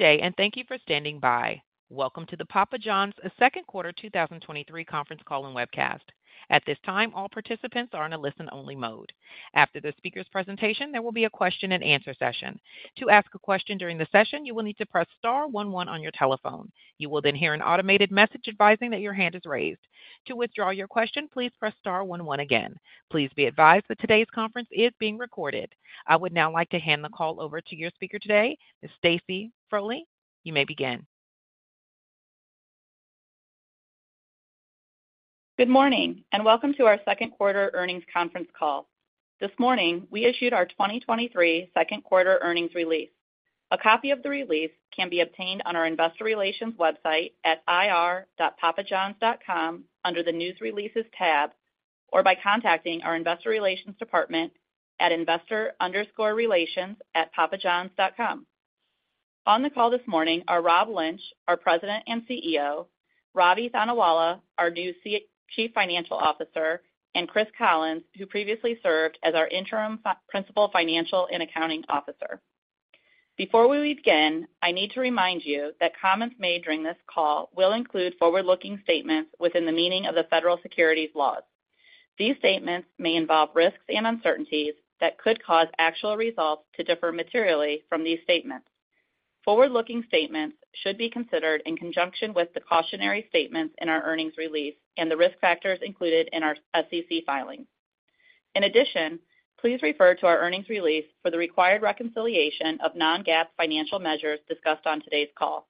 36:5Day, and thank you for standing by. Welcome to the Papa Johns' second quarter 2023 conference call and webcast. At this time, all participants are in a listen-only mode. After the speaker's presentation, there will be a question-and-answer session. To ask a question during the session, you will need to press star one one on your telephone. You will then hear an automated message advising that your hand is raised. To withdraw your question, please press star one one again. Please be advised that today's conference is being recorded. I would now like to hand the call over to your speaker today, Stacy Frole. You may begin. Good morning, welcome to our second quarter earnings conference call. This morning, we issued our 2023 second quarter earnings release. A copy of the release can be obtained on our investor relations website at ir.papajohns.com under the News Releases tab, or by contacting our investor relations department at investor_relations@papajohns.com. On the call this morning are Rob Lynch, our President and CEO, Ravi Thanawala, our new Chief Financial Officer, and Chris Collins, who previously served as our interim Principal Financial and Accounting Officer. Before we begin, I need to remind you that comments made during this call will include forward-looking statements within the meaning of the federal securities laws. These statements may involve risks and uncertainties that could cause actual results to differ materially from these statements. Forward-looking statements should be considered in conjunction with the cautionary statements in our earnings release and the risk factors included in our SEC filings. In addition, please refer to our earnings release for the required reconciliation of non-GAAP financial measures discussed on today's call.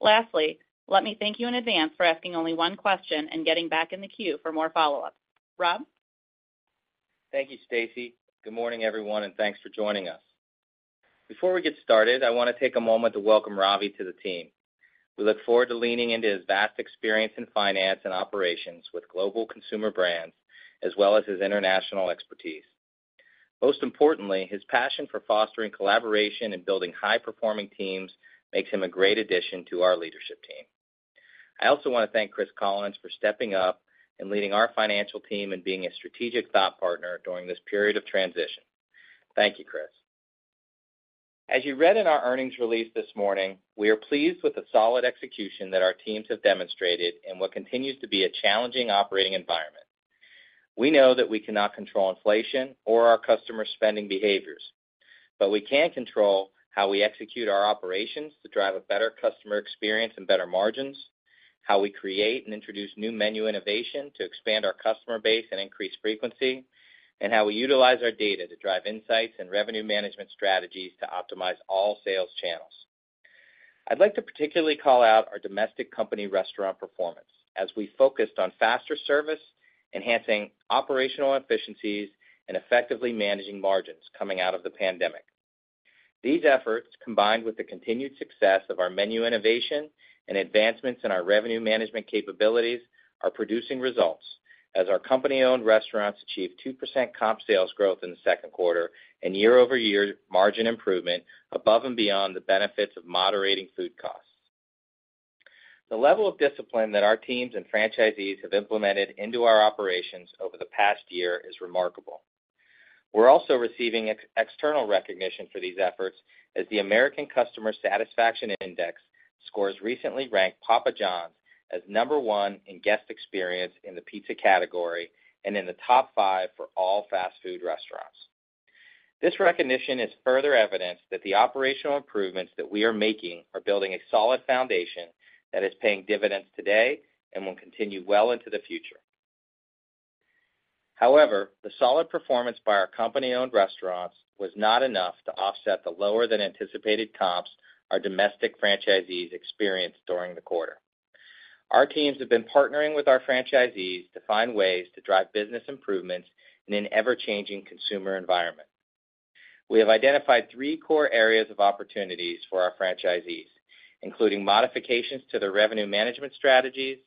Lastly, let me thank you in advance for asking only one question and getting back in the queue for more follow-up. Rob? Thank you, Stacy. Good morning, everyone, and thanks for joining us. Before we get started, I want to take a moment to welcome Ravi to the team. We look forward to leaning into his vast experience in finance and operations with global consumer brands, as well as his international expertise. Most importantly, his passion for fostering collaboration and building high-performing teams makes him a great addition to our leadership team. I also want to thank Chris Collins for stepping up and leading our financial team and being a strategic thought partner during this period of transition. Thank you, Chris. As you read in our earnings release this morning, we are pleased with the solid execution that our teams have demonstrated in what continues to be a challenging operating environment. We know that we cannot control inflation or our customers' spending behaviors, but we can control how we execute our operations to drive a better customer experience and better margins, how we create and introduce new menu innovation to expand our customer base and increase frequency, and how we utilize our data to drive insights and revenue management strategies to optimize all sales channels. I'd like to particularly call out our domestic company restaurant performance, as we focused on faster service, enhancing operational efficiencies, and effectively managing margins coming out of the pandemic. These efforts, combined with the continued success of our menu innovation and advancements in our revenue management capabilities, are producing results as our company-owned restaurants achieved 2% comp sales growth in the second quarter and year-over-year margin improvement above and beyond the benefits of moderating food costs. The level of discipline that our teams and franchisees have implemented into our operations over the past year is remarkable. We're also receiving external recognition for these efforts, as the American Customer Satisfaction Index scores recently ranked Papa Johns as number one in guest experience in the pizza category and in the top five for all fast food restaurants. This recognition is further evidence that the operational improvements that we are making are building a solid foundation that is paying dividends today and will continue well into the future. However, the solid performance by our company-owned restaurants was not enough to offset the lower-than-anticipated comps our domestic franchisees experienced during the quarter. Our teams have been partnering with our franchisees to find ways to drive business improvements in an ever-changing consumer environment. We have identified three core areas of opportunities for our franchisees, including modifications to their revenue management strategies,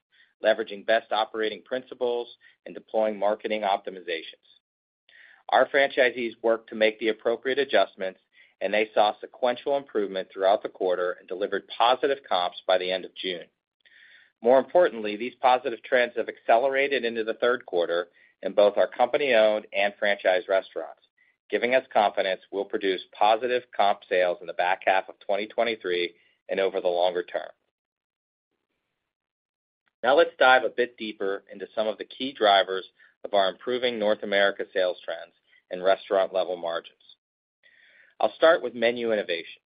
leveraging best operating principles, and deploying marketing optimizations. Our franchisees worked to make the appropriate adjustments, they saw sequential improvement throughout the quarter and delivered positive comps by the end of June. More importantly, these positive trends have accelerated into the third quarter in both our company-owned and franchise restaurants, giving us confidence we'll produce positive comp sales in the back half of 2023 and over the longer term. Let's dive a bit deeper into some of the key drivers of our improving North America sales trends and restaurant-level margins. I'll start with menu innovation.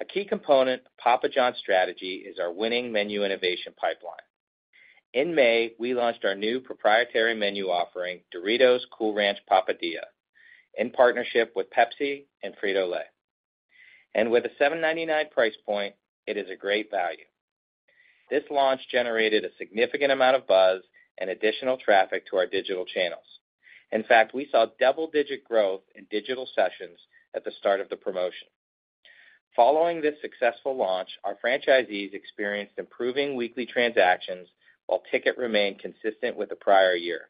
A key component of Papa Johns' strategy is our winning menu innovation pipeline. In May, we launched our new proprietary menu offering, Doritos Cool Ranch Papadia, in partnership with Pepsi and Frito-Lay. With a $7.99 price point, it is a great value. This launch generated a significant amount of buzz and additional traffic to our digital channels. In fact, we saw double-digit growth in digital sessions at the start of the promotion. Following this successful launch, our franchisees experienced improving weekly transactions, while ticket remained consistent with the prior year.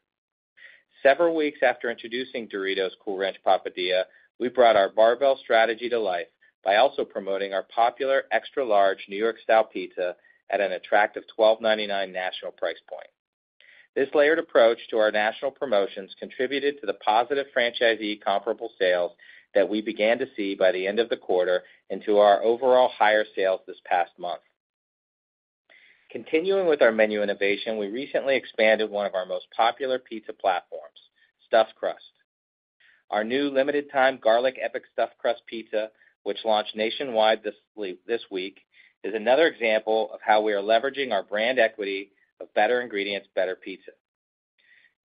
Several weeks after introducing Doritos Cool Ranch Papadia, we brought our barbell strategy to life by also promoting our popular extra-large New York-style pizza at an attractive $12.99 national price point. This layered approach to our national promotions contributed to the positive franchisee comparable sales that we began to see by the end of the quarter into our overall higher sales this past month. Continuing with our menu innovation, we recently expanded one of our most popular pizza platforms, Stuffed Crust. Our new limited time Garlic Epic Stuffed Crust Pizza, which launched nationwide this week, is another example of how we are leveraging our brand equity of better ingredients, better pizza.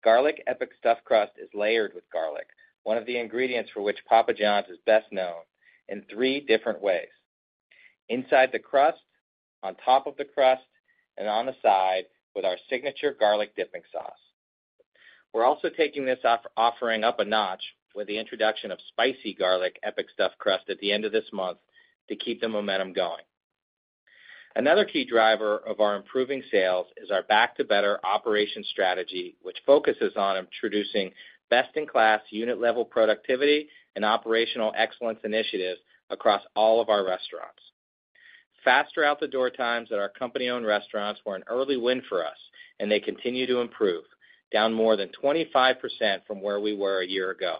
Garlic Epic Stuffed Crust is layered with garlic, one of the ingredients for which Papa Johns is best known, in three different ways: inside the crust, on top of the crust, and on the side with our signature garlic dipping sauce. We're also taking this offering up a notch with the introduction of Spicy Garlic Epic Stuffed Crust at the end of this month to keep the momentum going. Another key driver of our improving sales is our Back to Better operations strategy, which focuses on introducing best-in-class unit-level productivity and operational excellence initiatives across all of our restaurants. Faster out-the-door times at our company-owned restaurants were an early win for us, and they continue to improve, down more than 25% from where we were a year ago.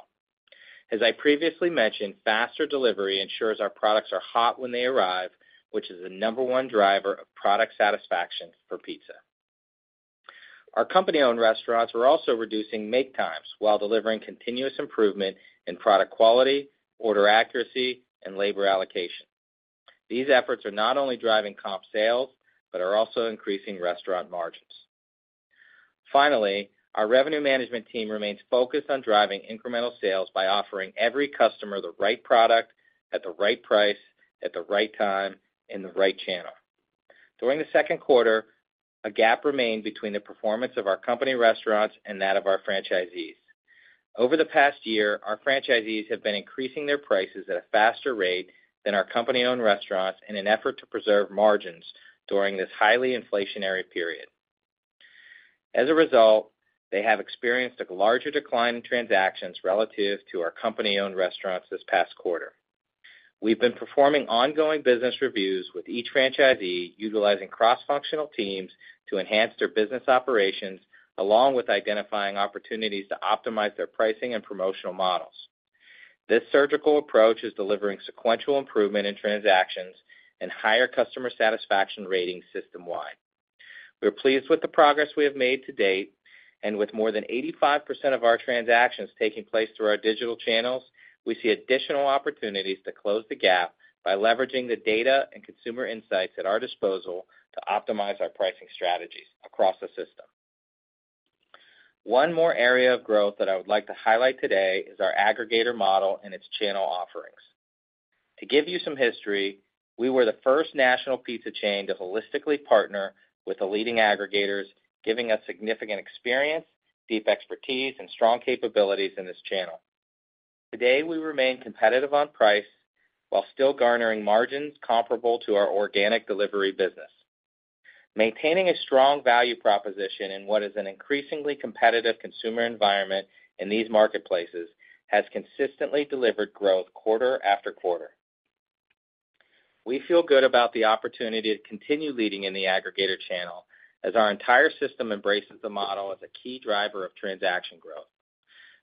As I previously mentioned, faster delivery ensures our products are hot when they arrive, which is the number one driver of product satisfaction for pizza. Our company-owned restaurants are also reducing make times while delivering continuous improvement in product quality, order accuracy, and labor allocation. These efforts are not only driving comp sales, but are also increasing restaurant margins. Finally, our revenue management team remains focused on driving incremental sales by offering every customer the right product, at the right price, at the right time, in the right channel. During the second quarter, a gap remained between the performance of our company restaurants and that of our franchisees. Over the past year, our franchisees have been increasing their prices at a faster rate than our company-owned restaurants in an effort to preserve margins during this highly inflationary period. As a result, they have experienced a larger decline in transactions relative to our company-owned restaurants this past quarter. We've been performing ongoing business reviews with each franchisee, utilizing cross-functional teams to enhance their business operations, along with identifying opportunities to optimize their pricing and promotional models. This surgical approach is delivering sequential improvement in transactions and higher customer satisfaction ratings system-wide. We are pleased with the progress we have made to date. With more than 85% of our transactions taking place through our digital channels, we see additional opportunities to close the gap by leveraging the data and consumer insights at our disposal to optimize our pricing strategies across the system. One more area of growth that I would like to highlight today is our aggregator model and its channel offerings. To give you some history, we were the first national pizza chain to holistically partner with the leading aggregators, giving us significant experience, deep expertise, and strong capabilities in this channel. Today, we remain competitive on price while still garnering margins comparable to our organic delivery business. Maintaining a strong value proposition in what is an increasingly competitive consumer environment in these marketplaces, has consistently delivered growth quarter after quarter. We feel good about the opportunity to continue leading in the aggregator channel as our entire system embraces the model as a key driver of transaction growth.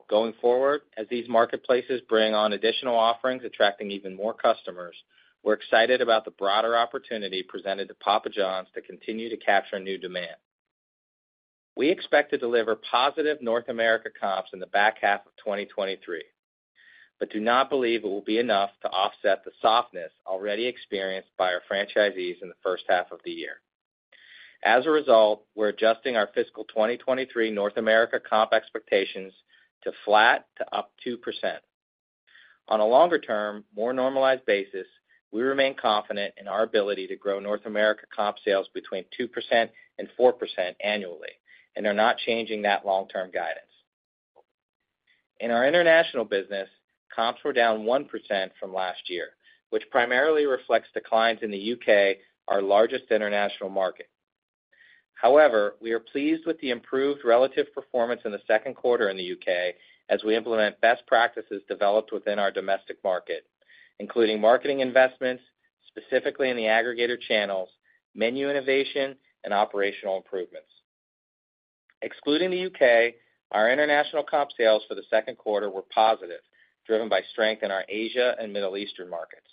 Going forward, as these marketplaces bring on additional offerings, attracting even more customers, we're excited about the broader opportunity presented to Papa Johns to continue to capture new demand. We expect to deliver positive North America comps in the back half of 2023, do not believe it will be enough to offset the softness already experienced by our franchisees in the first half of the year. As a result, we're adjusting our fiscal 2023 North America comp expectations to flat to up 2%. On a longer term, more normalized basis, we remain confident in our ability to grow North America comp sales between 2% and 4% annually, are not changing that long-term guidance. In our International business, comps were down 1% from last year, which primarily reflects declines in the U.K., our largest international market. However, we are pleased with the improved relative performance in the second quarter in the U.K. as we implement best practices developed within our domestic market, including marketing investments, specifically in the aggregator channels, menu innovation, and operational improvements. Excluding the U.K., our international comp sales for the second quarter were positive, driven by strength in our Asia and Middle Eastern markets.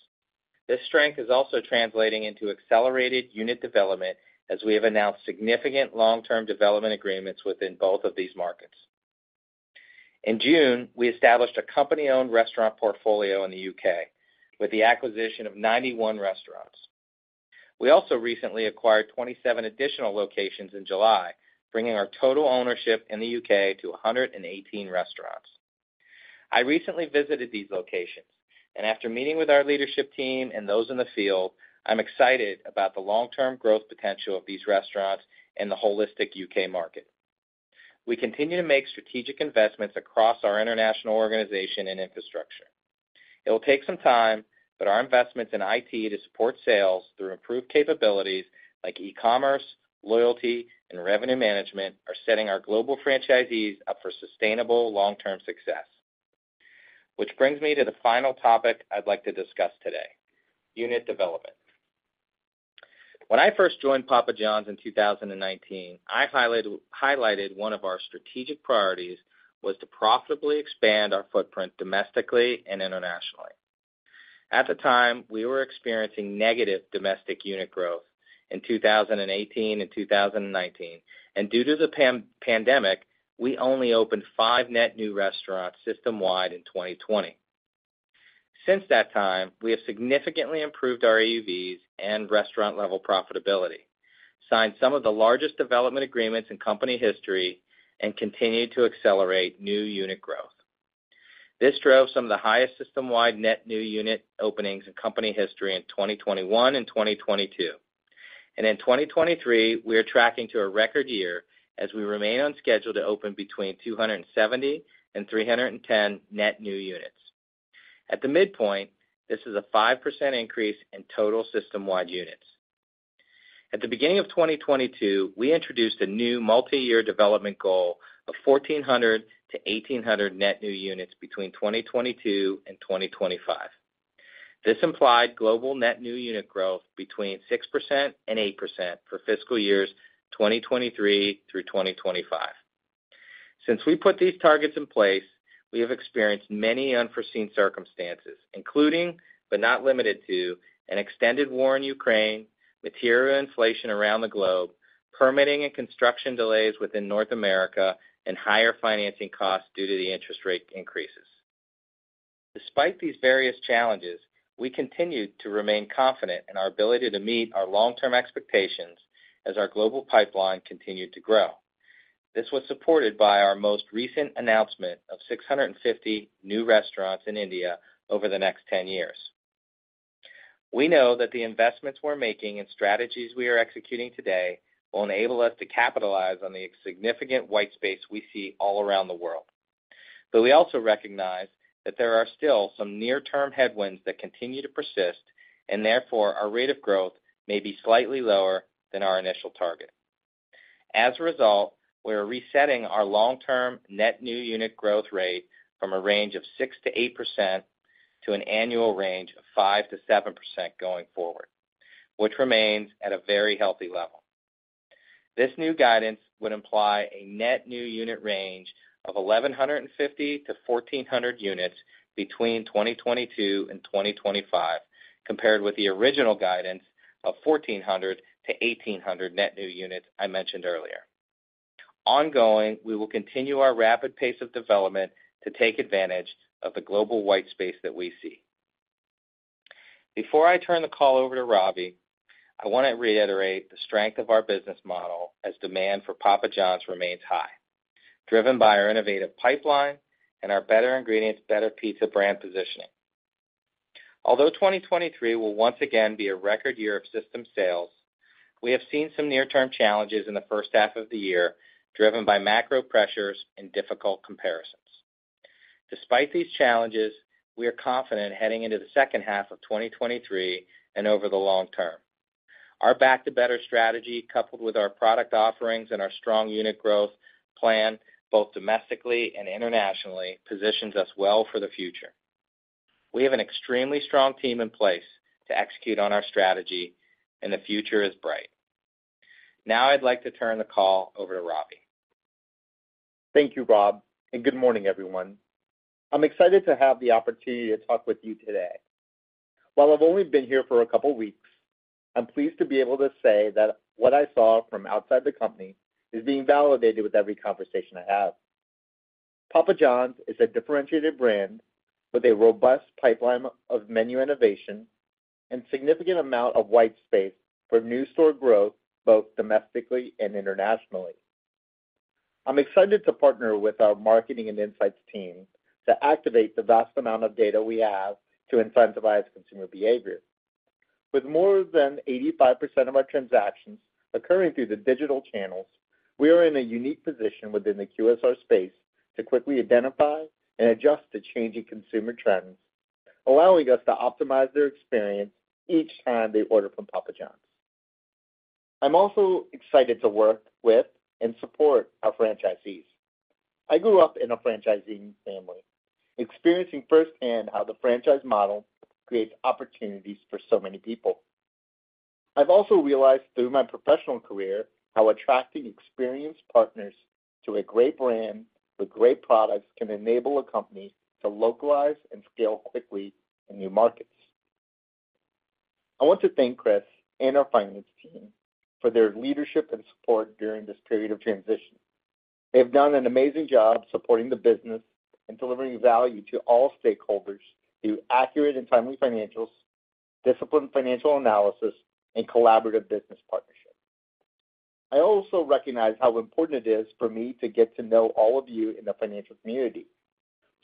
This strength is also translating into accelerated unit development, as we have announced significant long-term development agreements within both of these markets. In June, we established a company-owned restaurant portfolio in the U.K. with the acquisition of 91 restaurants. We also recently acquired 27 additional locations in July, bringing our total ownership in the U.K. to 118 restaurants. I recently visited these locations. After meeting with our leadership team and those in the field, I'm excited about the long-term growth potential of these restaurants in the holistic U.K. market. We continue to make strategic investments across our international organization and infrastructure. It will take some time, but our investments in IT to support sales through improved capabilities like e-commerce, loyalty, and revenue management, are setting our global franchisees up for sustainable long-term success. Which brings me to the final topic I'd like to discuss today: unit development. When I first joined Papa Johns in 2019, I highlighted one of our strategic priorities was to profitably expand our footprint domestically and internationally. At the time, we were experiencing negative domestic unit growth in 2018 and 2019, and due to the pan-pandemic, we only opened five net new restaurants system-wide in 2020. Since that time, we have significantly improved our AUVs and restaurant-level profitability, signed some of the largest development agreements in company history, and continued to accelerate new unit growth. This drove some of the highest system-wide net new unit openings in company history in 2021 and 2022. In 2023, we are tracking to a record year as we remain on schedule to open between 270 and 310 net new units. At the midpoint, this is a 5% increase in total system-wide units. At the beginning of 2022, we introduced a new multiyear development goal of 1,400 to 1,800 net new units between 2022 and 2025. This implied global net new unit growth between 6% and 8% for fiscal years 2023 through 2025. Since we put these targets in place, we have experienced many unforeseen circumstances, including, but not limited to, an extended war in Ukraine, material inflation around the globe, permitting and construction delays within North America, and higher financing costs due to the interest rate increases. Despite these various challenges, we continued to remain confident in our ability to meet our long-term expectations as our global pipeline continued to grow. This was supported by our most recent announcement of 650 new restaurants in India over the next 10 years. We know that the investments we're making and strategies we are executing today will enable us to capitalize on the significant white space we see all around the world. We also recognize that there are still some near-term headwinds that continue to persist, and therefore, our rate of growth may be slightly lower than our initial target. As a result, we are resetting our long-term net new unit growth rate from a range of 6%-8% to an annual range of 5%-7% going forward, which remains at a very healthy level. This new guidance would imply a net new unit range of 1,150 units-1,400 units between 2022 and 2025, compared with the original guidance of 1,400 net new units-1,800 net new units I mentioned earlier. Ongoing, we will continue our rapid pace of development to take advantage of the global white space that we see. Before I turn the call over to Ravi, I want to reiterate the strength of our business model as demand for Papa Johns remains high, driven by our innovative pipeline and our better ingredients, better pizza brand positioning. Although 2023 will once again be a record year of system sales, we have seen some near-term challenges in the first half of the year, driven by macro pressures and difficult comparisons. Despite these challenges, we are confident heading into the second half of 2023 and over the long term. Our Back to Better strategy, coupled with our product offerings and our strong unit growth plan, both domestically and internationally, positions us well for the future. We have an extremely strong team in place to execute on our strategy, and the future is bright. Now I'd like to turn the call over to Ravi. Thank you, Rob, and good morning, everyone. I'm excited to have the opportunity to talk with you today. While I've only been here for a couple of weeks, I'm pleased to be able to say that what I saw from outside the company is being validated with every conversation I have. Papa Johns is a differentiated brand with a robust pipeline of menu innovation and significant amount of white space for new store growth, both domestically and internationally. I'm excited to partner with our marketing and insights team to activate the vast amount of data we have to incentivize consumer behavior. With more than 85% of our transactions occurring through the digital channels, we are in a unique position within the QSR space to quickly identify and adjust to changing consumer trends, allowing us to optimize their experience each time they order from Papa Johns. I'm also excited to work with and support our franchisees. I grew up in a franchising family, experiencing firsthand how the franchise model creates opportunities for so many people. I've also realized through my professional career how attracting experienced partners to a great brand with great products can enable a company to localize and scale quickly in new markets. I want to thank Chris and our finance team for their leadership and support during this period of transition. They have done an amazing job supporting the business and delivering value to all stakeholders through accurate and timely financials, disciplined financial analysis, and collaborative business partnerships. I also recognize how important it is for me to get to know all of you in the financial community.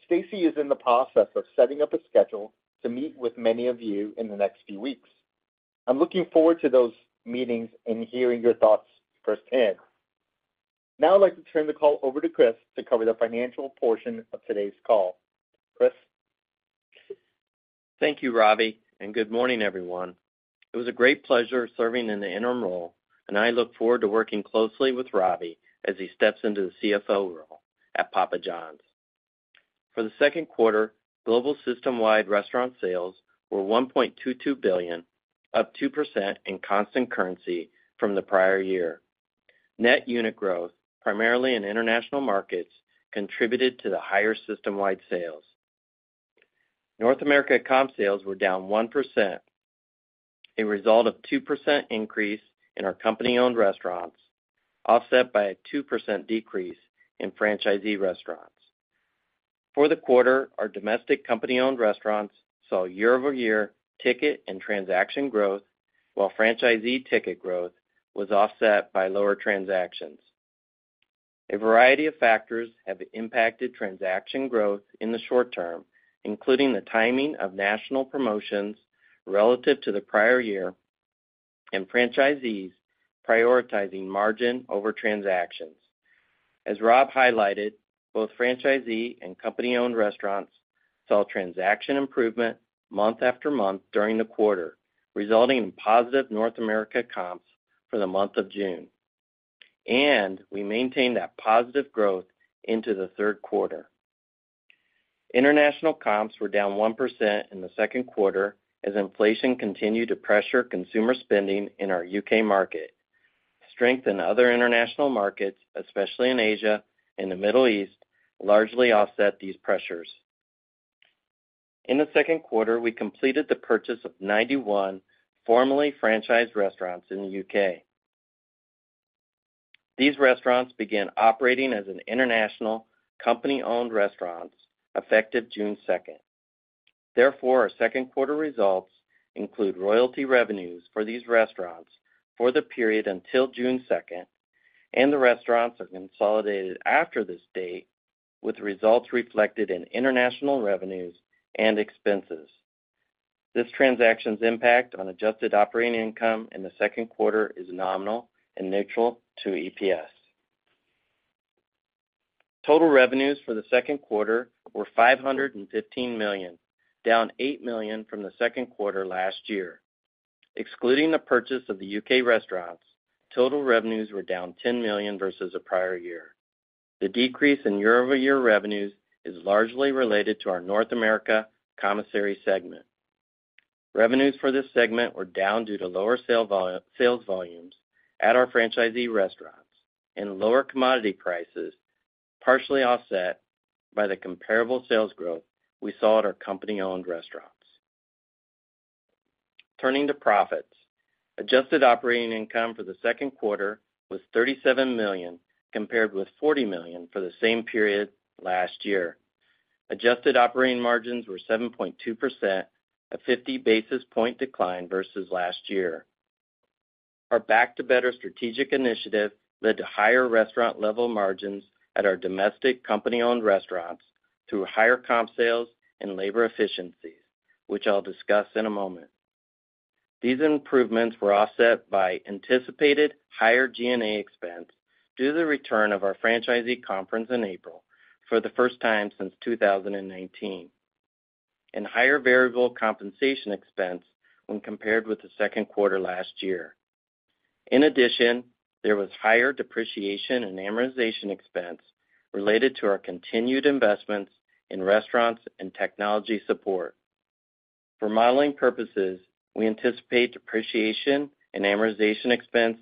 Stacy is in the process of setting up a schedule to meet with many of you in the next few weeks. I'm looking forward to those meetings and hearing your thoughts firsthand. Now, I'd like to turn the call over to Chris to cover the financial portion of today's call. Chris? Thank you, Ravi, and good morning, everyone. It was a great pleasure serving in the interim role, and I look forward to working closely with Ravi as he steps into the CFO role at Papa Johns. For the second quarter, global system-wide restaurant sales were $1.22 billion, up 2% in constant currency from the prior year. Net unit growth, primarily in international markets, contributed to the higher system-wide sales. North America comp sales were down 1%, a result of 2% increase in our company-owned restaurants, offset by a 2% decrease in franchisee restaurants. For the quarter, our domestic company-owned restaurants saw year-over-year ticket and transaction growth, while franchisee ticket growth was offset by lower transactions. A variety of factors have impacted transaction growth in the short term, including the timing of national promotions relative to the prior year and franchisees prioritizing margin over transactions. As Rob highlighted, both franchisee and company-owned restaurants saw transaction improvement month after month during the quarter, resulting in positive North America comps for the month of June, and we maintained that positive growth into the third quarter. International comps were down 1% in the second quarter as inflation continued to pressure consumer spending in our U.K. market. Strength in other international markets, especially in Asia and the Middle East, largely offset these pressures. In the second quarter, we completed the purchase of 91 formerly franchised restaurants in the U.K. These restaurants began operating as an international company-owned restaurants effective June second. Therefore, our second quarter results include royalty revenues for these restaurants for the period until June 2nd, and the restaurants are consolidated after this date, with results reflected in international revenues and expenses. This transaction's impact on adjusted operating income in the second quarter is nominal and neutral to EPS. Total revenues for the second quarter were $515 million, down $8 million from the second quarter last year. Excluding the purchase of the U.K. restaurants, total revenues were down $10 million versus the prior year. The decrease in year-over-year revenues is largely related to our North America Commissary segment. Revenues for this segment were down due to lower sales volumes at our franchisee restaurants and lower commodity prices, partially offset by the comparable sales growth we saw at our company-owned restaurants. Turning to profits, adjusted operating income for the second quarter was $37 million, compared with $40 million for the same period last year. Adjusted operating margins were 7.2%, a 50 basis point decline versus last year. Our Back to Better strategic initiative led to higher restaurant level margins at our domestic company-owned restaurants through higher comp sales and labor efficiencies, which I'll discuss in a moment. These improvements were offset by anticipated higher G&A expense due to the return of our franchisee conference in April for the first time since 2019, and higher variable compensation expense when compared with the second quarter last year. In addition, there was higher depreciation and amortization expense related to our continued investments in restaurants and technology support. For modeling purposes, we anticipate depreciation and amortization expense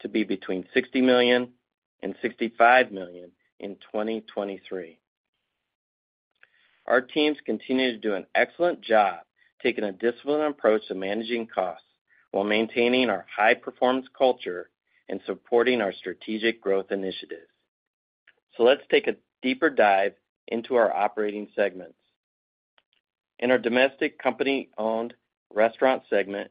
to be between $60 million-$65 million in 2023. Our teams continue to do an excellent job taking a disciplined approach to managing costs while maintaining our high-performance culture and supporting our strategic growth initiatives. Let's take a deeper dive into our operating segments. In our Domestic Company-Owned Restaurant segment,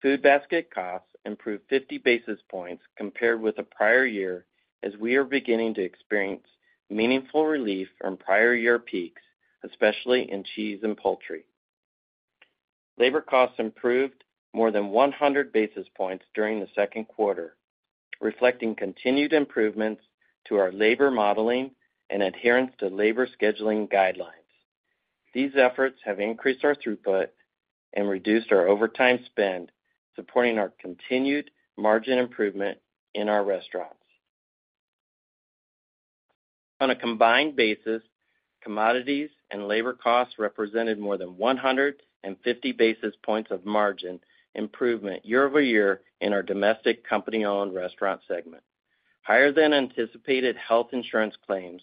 food basket costs improved 50 basis points compared with the prior year, as we are beginning to experience meaningful relief from prior year peaks, especially in cheese and poultry. Labor costs improved more than 100 basis points during the second quarter, reflecting continued improvements to our labor modeling and adherence to labor scheduling guidelines. These efforts have increased our throughput and reduced our overtime spend, supporting our continued margin improvement in our restaurants. On a combined basis, commodities and labor costs represented more than 150 basis points of margin improvement year-over-year in our Domestic Company-Owned Restaurant segment. Higher than anticipated health insurance claims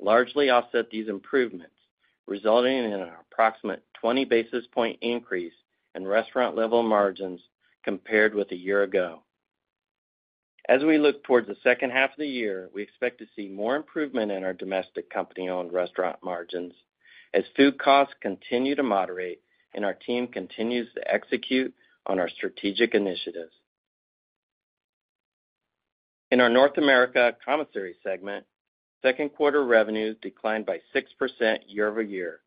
largely offset these improvements, resulting in an approximate 20 basis point increase in restaurant-level margins compared with a year ago. As we look towards the second half of the year, we expect to see more improvement in our domestic company-owned restaurant margins as food costs continue to moderate and our team continues to execute on our strategic initiatives. In our North America Commissary segment, second quarter revenues declined by 6% year-over-year,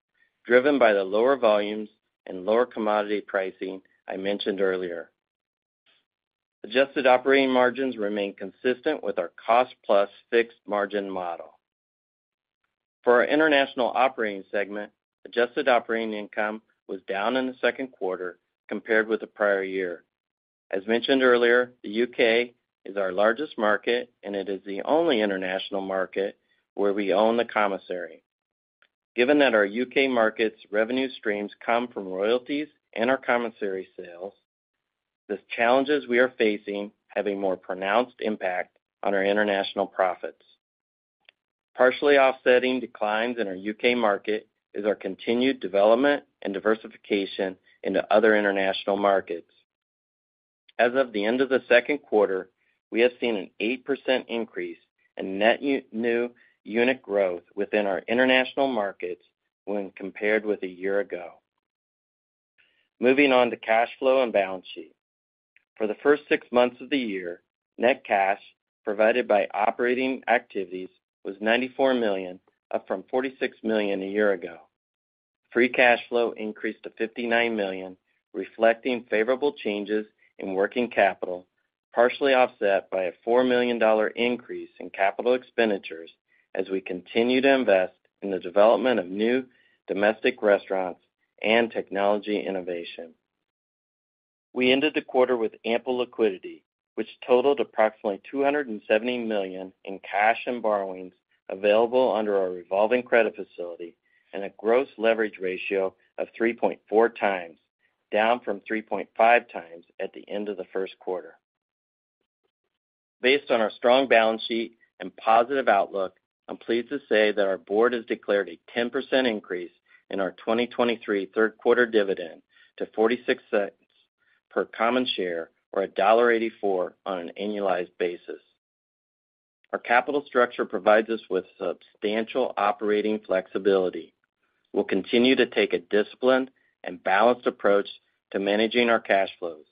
driven by the lower volumes and lower commodity pricing I mentioned earlier. Adjusted operating margins remain consistent with our cost plus fixed margin model. For our International Operating segment, adjusted operating income was down in the second quarter compared with the prior year. As mentioned earlier, the U.K. is our largest market, and it is the only international market where we own the commissary. Given that our U.K. market's revenue streams come from royalties and our commissary sales, the challenges we are facing have a more pronounced impact on our international profits. Partially offsetting declines in our U.K. market is our continued development and diversification into other international markets. As of the end of the second quarter, we have seen an 8% increase in net new unit growth within our international markets when compared with a year ago. Moving on to cash flow and balance sheet. For the first six months of the year, net cash provided by operating activities was $94 million, up from $46 million a year ago. Free cash flow increased to $59 million, reflecting favorable changes in working capital, partially offset by a $4 million dollar increase in capital expenditures as we continue to invest in the development of new domestic restaurants and technology innovation. We ended the quarter with ample liquidity, which totaled approximately $270 million in cash and borrowings available under our revolving credit facility and a gross leverage ratio of 3.4x, down from 3.5x at the end of the first quarter. Based on our strong balance sheet and positive outlook, I'm pleased to say that our board has declared a 10% increase in our 2023 third quarter dividend to $0.46 per common share, or $1.84 on an annualized basis. Our capital structure provides us with substantial operating flexibility. We'll continue to take a disciplined and balanced approach to managing our cash flows,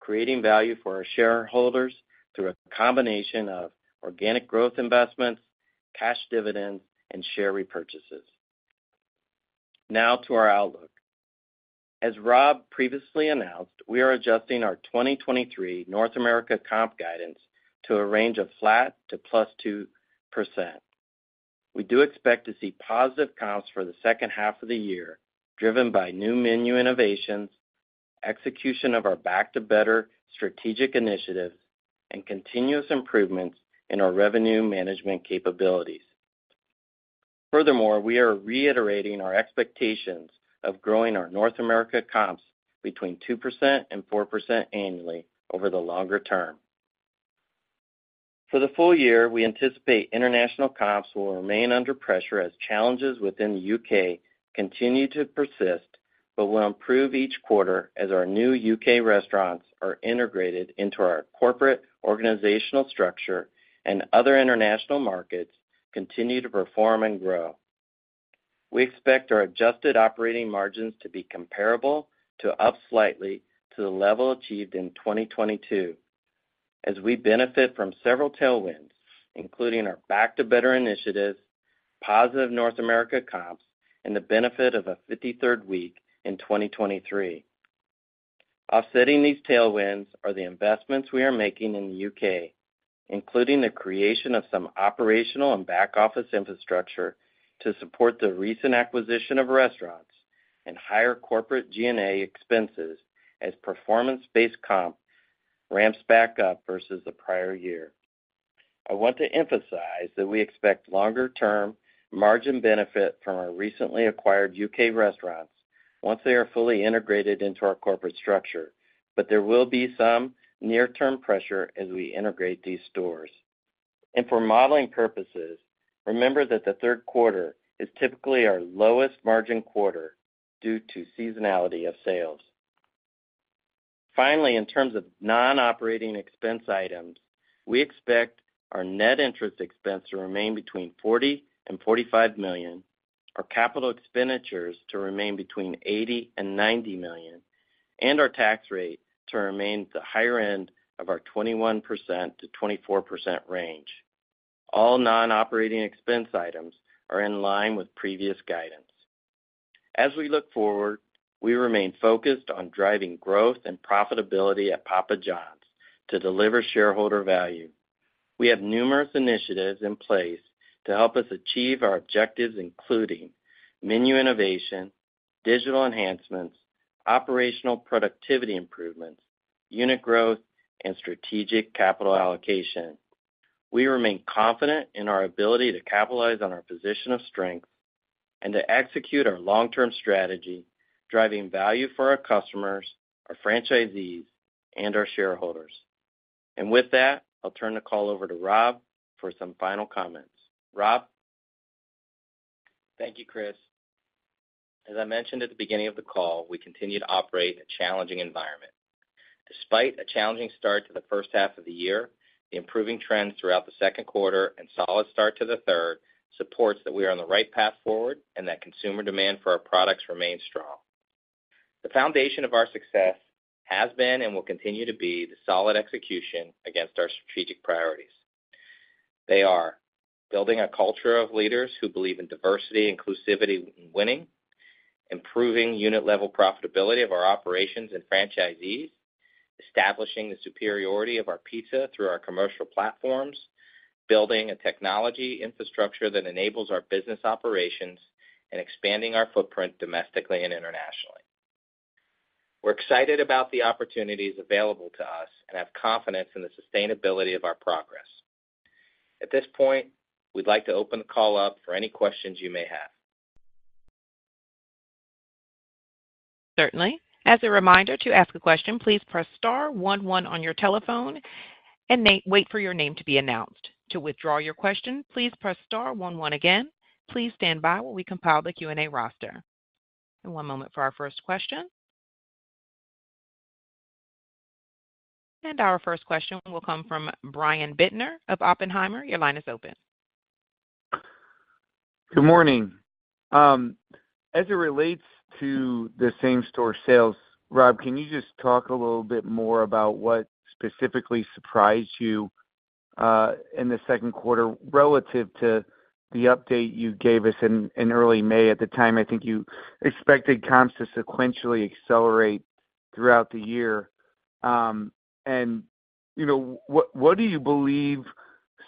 creating value for our shareholders through a combination of organic growth investments, cash dividends, and share repurchases. Now to our outlook. As Rob previously announced, we are adjusting our 2023 North America comp guidance to a range of flat to +2%. We do expect to see positive comps for the second half of the year, driven by new menu innovations, execution of our Back to Better strategic initiatives, and continuous improvements in our revenue management capabilities. Furthermore, we are reiterating our expectations of growing our North America comps between 2% and 4% annually over the longer term. For the full year, we anticipate international comps will remain under pressure as challenges within the U.K. continue to persist, but will improve each quarter as our new U.K. restaurants are integrated into our corporate organizational structure, and other international markets continue to perform and grow. We expect our adjusted operating margins to be comparable to up slightly to the level achieved in 2022 as we benefit from several tailwinds, including our Back to Better initiatives, positive North America comps, and the benefit of a 53rd week in 2023. Offsetting these tailwinds are the investments we are making in the U.K., including the creation of some operational and back-office infrastructure to support the recent acquisition of restaurants and higher corporate G&A expenses as performance-based comp ramps back up versus the prior year. I want to emphasize that we expect longer-term margin benefit from our recently acquired U.K. restaurants once they are fully integrated into our corporate structure, but there will be some near-term pressure as we integrate these stores. For modeling purposes, remember that the third quarter is typically our lowest margin quarter due to seasonality of sales. Finally, in terms of non-operating expense items, we expect our net interest expense to remain between $40 million and $45 million, our capital expenditures to remain between $80 million and $90 million, and our tax rate to remain at the higher end of our 21%-24% range. All non-operating expense items are in line with previous guidance. As we look forward, we remain focused on driving growth and profitability at Papa Johns to deliver shareholder value. We have numerous initiatives in place to help us achieve our objectives, including menu innovation, digital enhancements, operational productivity improvements, unit growth, and strategic capital allocation. We remain confident in our ability to capitalize on our position of strength and to execute our long-term strategy, driving value for our customers, our franchisees, and our shareholders. With that, I'll turn the call over to Rob for some final comments. Rob? Thank you, Chris. As I mentioned at the beginning of the call, we continue to operate in a challenging environment. Despite a challenging start to the first half of the year, the improving trends throughout the second quarter and solid start to the third supports that we are on the right path forward and that consumer demand for our products remains strong. The foundation of our success has been and will continue to be the solid execution against our strategic priorities. They are building a culture of leaders who believe in diversity, inclusivity, and winning, improving unit-level profitability of our operations and franchisees, establishing the superiority of our pizza through our commercial platforms, building a technology infrastructure that enables our business operations, and expanding our footprint domestically and internationally. We're excited about the opportunities available to us and have confidence in the sustainability of our progress. At this point, we'd like to open the call up for any questions you may have. Certainly. As a reminder, to ask a question, please press star one, one on your telephone and wait for your name to be announced. To withdraw your question, please press star one, one again. Please stand by while we compile the Q&A roster. One moment for our first question. Our first question will come from Brian Bittner of Oppenheimer. Your line is open. Good morning. As it relates to the same-store sales, Rob, can you just talk a little bit more about what specifically surprised you in the second quarter relative to the update you gave us in early May? At the time, I think you expected comps to sequentially accelerate throughout the year. And, you know, what, what do you believe,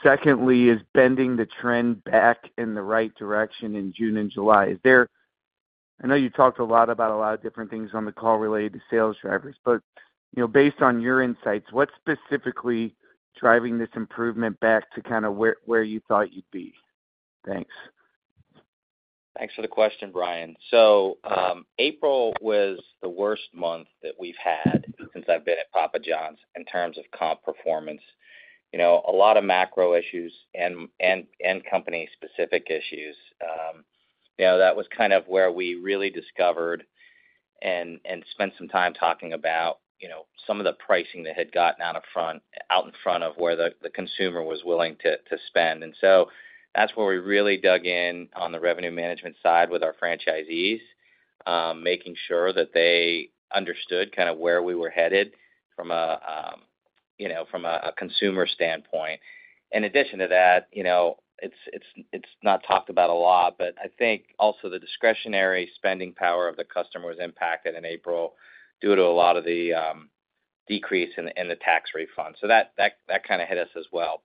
secondly, is bending the trend back in the right direction in June and July? I know you talked a lot about a lot of different things on the call related to sales drivers, but, you know, based on your insights, what's specifically driving this improvement back to kind of where, where you thought you'd be? Thanks. Thanks for the question, Brian. April was the worst month that we've had since I've been at Papa Johns in terms of comp performance. You know, a lot of macro issues and, and, and company-specific issues. You know, that was kind of where we really discovered and, and spent some time talking about, you know, some of the pricing that had gotten out in front of where the, the consumer was willing to, to spend. That's where we really dug in on the revenue management side with our franchisees, making sure that they understood kind of where we were headed from a, you know, from a, a consumer standpoint. In addition to that, you know, it's, it's, it's not talked about a lot, but I think also the discretionary spending power of the customer was impacted in April due to a lot of the decrease in the, in the tax refunds. That, that, that kind of hit us as well.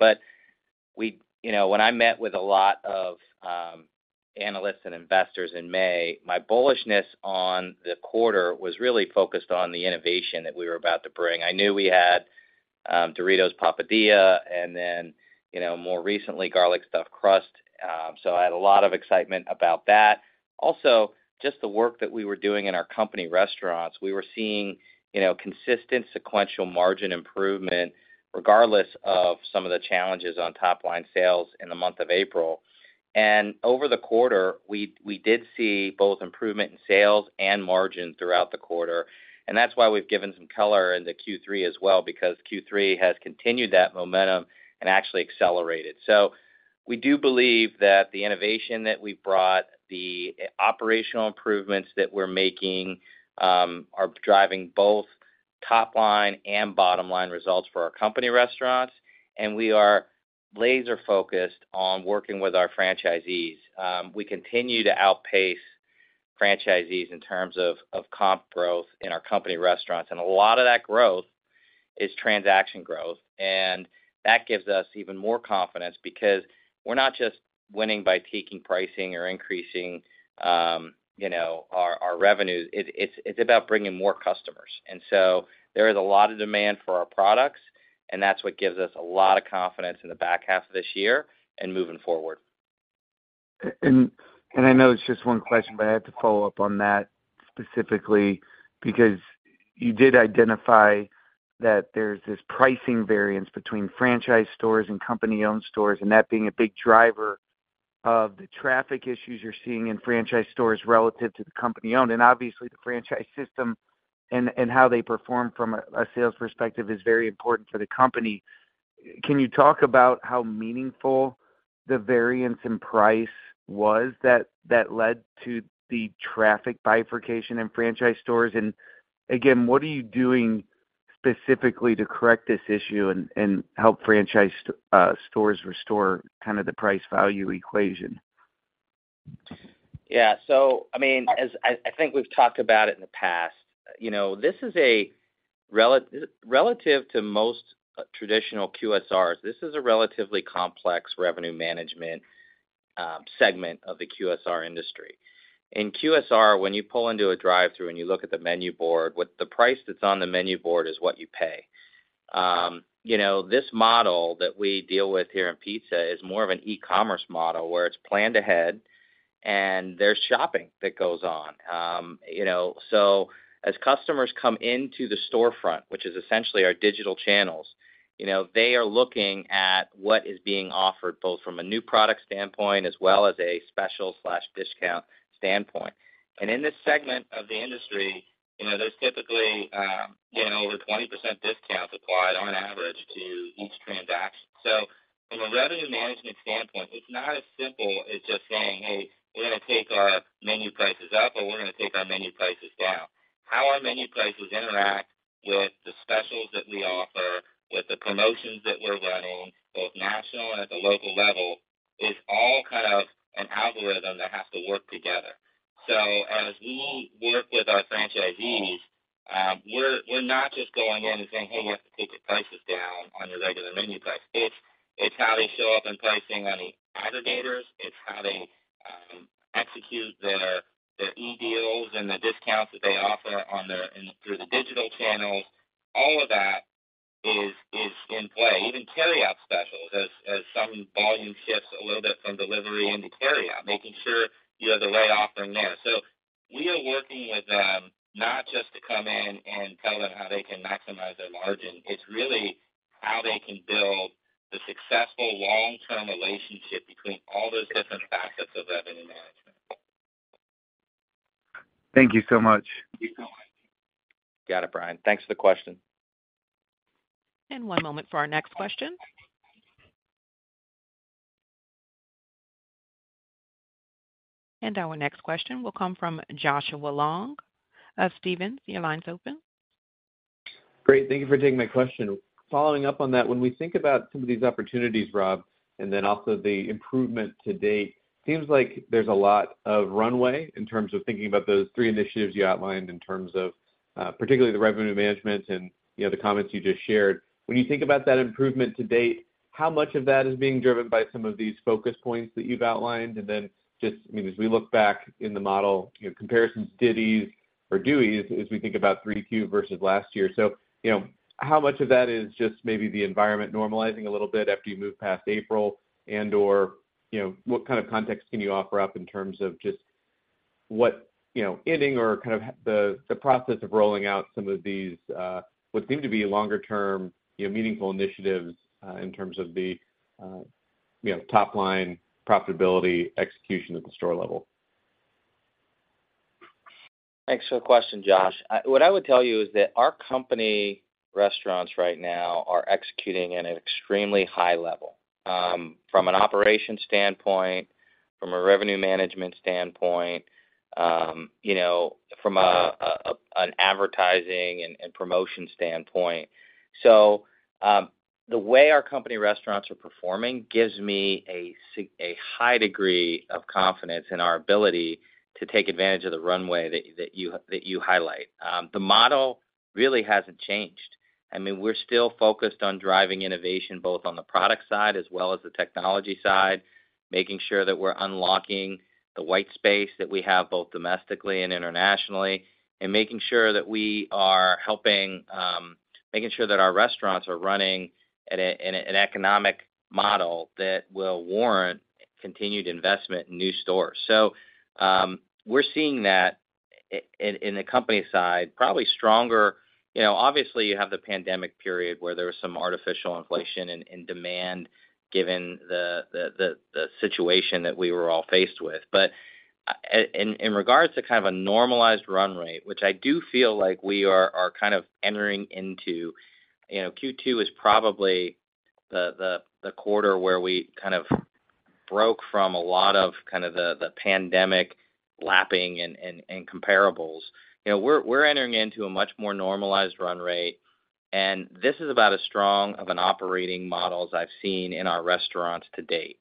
We. You know, when I met with a lot of analysts and investors in May, my bullishness on the quarter was really focused on the innovation that we were about to bring. I knew we had Doritos Papadia, and then, you know, more recently, garlic stuffed crust. So I had a lot of excitement about that. Also, just the work that we were doing in our company restaurants, we were seeing, you know, consistent sequential margin improvement, regardless of some of the challenges on top line sales in the month of April. Over the quarter, we, we did see both improvement in sales and margin throughout the quarter, and that's why we've given some color in the Q3 as well, because Q3 has continued that momentum and actually accelerated. We do believe that the innovation that we brought, the operational improvements that we're making, are driving both top line and bottom line results for our company restaurants, and we are laser-focused on working with our franchisees. We continue to outpace franchisees in terms of, of comp growth in our company restaurants, and a lot of that growth is transaction growth, and that gives us even more confidence because we're not just winning by taking pricing or increasing, you know, our, our revenues. It's, it's about bringing more customers. There is a lot of demand for our products, and that's what gives us a lot of confidence in the back half of this year and moving forward. I know it's just one question, but I have to follow up on that specifically, because you did identify that there's this pricing variance between franchise stores and company-owned stores, and that being a big driver of the traffic issues you're seeing in franchise stores relative to the company-owned. Obviously, the franchise system and, and how they perform from a, a sales perspective is very important to the company. Can you talk about how meaningful the variance in price was, that, that led to the traffic bifurcation in franchise stores? Again, what are you doing specifically to correct this issue and, and help franchise stores restore kind of the price value equation? Yeah. I mean, as I, I think we've talked about it in the past, you know, this is a relative to most traditional QSRs, this is a relatively Complex Revenue Management segment of the QSR industry. In QSR, when you pull into a drive-through and you look at the menu board, what the price that's on the menu board is what you pay. You know, this model that we deal with here in pizza is more of an e-commerce model, where it's planned ahead, and there's shopping that goes on. You know, so as customers come into the storefront, which is essentially our digital channels, you know, they are looking at what is being offered, both from a new product standpoint as well as a special/discount standpoint. In this segment of the industry, you know, there's typically, you know, over 20% discounts applied on average to each transaction. So from a revenue management standpoint, it's not as simple as just saying, "Hey, we're gonna take our menu prices up, or we're gonna take our menu prices down." How our menu prices interact with the specials that we offer, with the promotions that we're running, both national and at the local level, is all kind of an algorithm that has to work together. So as we work with our franchisees, we're, we're not just going in and saying, "Hey, you have to take your prices down on your regular menu price." It's, it's how they show up in pricing on the aggregators. It's how they- execute their, their e-deals and the discounts that they offer on their, in, through the digital channels. All of that is, is in play. Even carryout specials, as, as some volume shifts a little bit from delivery into carryout, making sure you have the right offering there. We are working with them, not just to come in and tell them how they can maximize their margin. It's really how they can build the successful long-term relationship between all those different facets of revenue management. Thank you so much. You got it, Brian. Thanks for the question. One moment for our next question. Our next question will come from Joshua Long. Steven, your line's open. Great, thank you for taking my question. Following up on that, when we think about some of these opportunities, Rob, and then also the improvement to date, seems like there's a lot of runway in terms of thinking about those three initiatives you outlined in terms of particularly the revenue management and, you know, the comments you just shared. When you think about that improvement to date, how much of that is being driven by some of these focus points that you've outlined? Then just, I mean, as we look back in the model, you know, comparisons did these or duties as we think about 3Q versus last year. You know, how much of that is just maybe the environment normalizing a little bit after you move past April? Or, you know, what kind of context can you offer up in terms of just what, you know, inning or kind of the, the process of rolling out some of these, what seem to be longer term, you know, meaningful initiatives, in terms of the, you know, top-line profitability, execution at the store level? Thanks for the question, Josh. What I would tell you is that our company restaurants right now are executing at an extremely high level, from an operation standpoint, from a revenue management standpoint, you know, from an advertising and, and promotion standpoint. The way our company restaurants are performing gives me a high degree of confidence in our ability to take advantage of the runway that you, that you, that you highlight. The model really hasn't changed. I mean, we're still focused on driving innovation, both on the product side as well as the technology side, making sure that we're unlocking the white space that we have, both domestically and internationally, and making sure that we are helping making sure that our restaurants are running at a, in an economic model that will warrant continued investment in new stores. We're seeing that in, in the company side, probably stronger. You know, obviously, you have the pandemic period where there was some artificial inflation and, and demand, given the, the, the, the situation that we were all faced with. In, in regards to kind of a normalized run rate, which I do feel like we are, are kind of entering into, you know, Q2 is probably the, the, the quarter where we kind of broke from a lot of kind of the, the pandemic lapping and, and, and comparables. You know, we're, we're entering into a much more normalized run rate, and this is about as strong of an operating model as I've seen in our restaurants to date.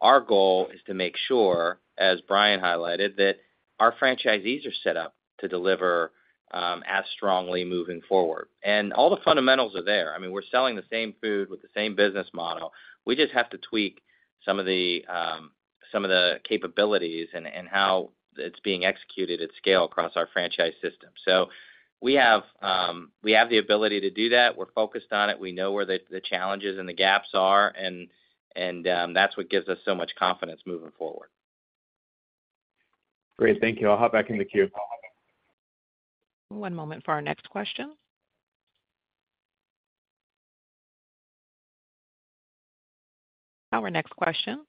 Our goal is to make sure, as Brian highlighted, that our franchisees are set up to deliver as strongly moving forward. All the fundamentals are there. I mean, we're selling the same food with the same business model. We just have to tweak some of the, some of the capabilities and, and how it's being executed at scale across our franchise system. We have, we have the ability to do that. We're focused on it. We know where the, the challenges and the gaps are, and, and that's what gives us so much confidence moving forward. Great. Thank you. I'll hop back in the queue. One moment for our next question. Our next question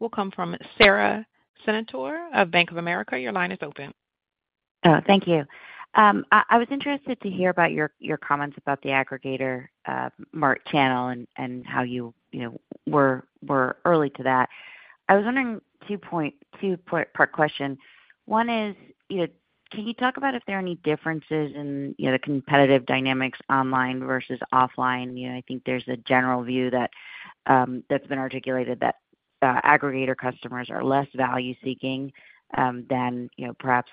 will come from Sara Senatore of Bank of America. Your line is open. Thank you. I, I was interested to hear about your, your comments about the aggregator, mart channel and, and how you, you know, were, were early to that. I was wondering two-part question. One is, you know, can you talk about if there are any differences in, you know, the competitive dynamics online versus offline? You know, I think there's a general view that that's been articulated that aggregator customers are less value-seeking than, you know, perhaps,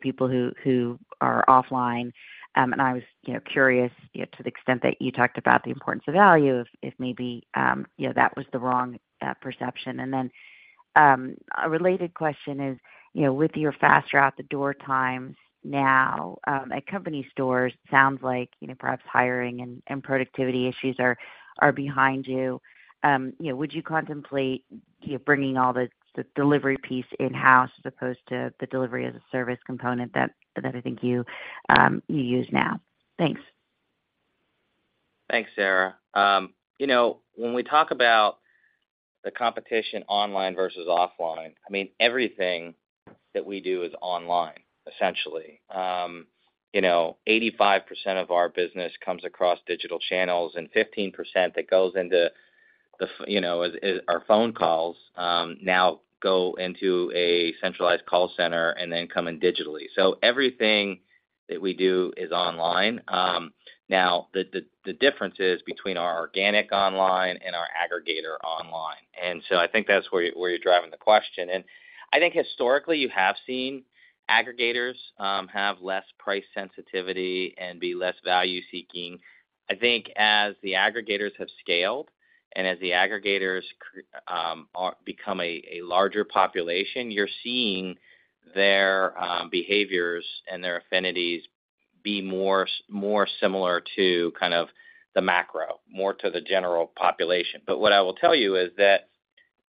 people who, who are offline. I was, you know, curious, you know, to the extent that you talked about the importance of value, if, if maybe, that was the wrong perception. A related question is, you know, with your faster out-the-door times now at company stores, sounds like, you know, perhaps hiring and, and productivity issues are, are behind you. You know, would you contemplate, you know, bringing all the, the delivery piece in-house as opposed to the delivery as a service component that, that I think you use now? Thanks. Thanks, Sara. You know, when we talk about the competition online versus offline, I mean, everything that we do is online, essentially. You know, 85% of our business comes across digital channels, and 15% that goes into the, you know, is, is our phone calls, now go into a centralized call center and then come in digitally. Everything that we do is online. Now, the, the, the difference is between our organic online and our aggregator online. I think that's where you're, where you're driving the question. I think historically, you have seen aggregators have less price sensitivity and be less value-seeking. I think as the aggregators have scaled and as the aggregators are become a larger population, you're seeing their behaviors and their affinities be more similar to kind of the macro, more to the general population. What I will tell you is that,